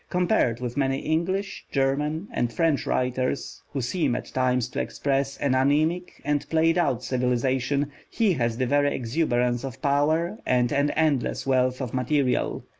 Compared with many English, German, and French writers, who seem at times to express an anæmic and played out civilisation, he has the very exuberance of power and an endless wealth of material.